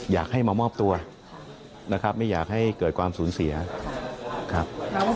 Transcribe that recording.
อยากให้มามอบตัวนะครับไม่อยากให้เกิดความสูญเสียครับ